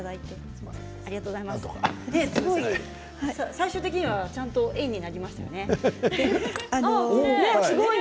最終的にはちゃんと円になりましたね。